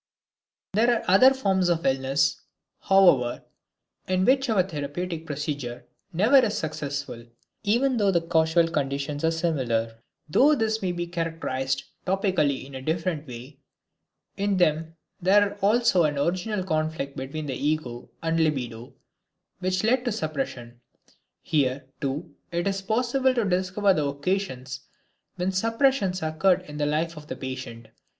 There are other forms of illness, however, in which our therapeutic procedure never is successful, even though the causal conditions are similar. Though this may be characterized topically in a different way, in them there was also an original conflict between the ego and libido, which led to suppression. Here, too, it is possible to discover the occasions when suppressions occurred in the life of the patient.